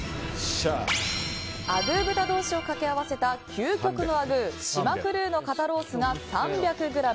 あぐー豚同士を掛け合わせた究極のあぐー島黒の肩ロースが３００ｇ